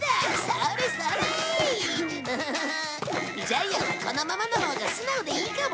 ジャイアンはこのままのほうが素直でいいかもね。